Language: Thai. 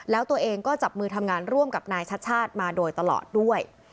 แล้วตัวเองก็จับมือทำงานร่วมกับนายชัดชาติมาโดยตลอดด้วย